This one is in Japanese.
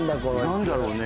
何だろうね。